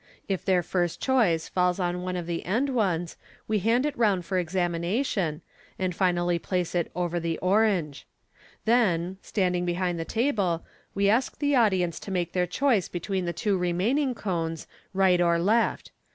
If their first choice falls on one of the enc ones, we hand it round for examination, and finally place it oven the orange. Then, standing behind the table, we ask the audience to make J40 MODERN MA GIC. their choice between the two remaining cones, right or left.